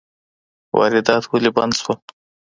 واردات ولي بند سول؟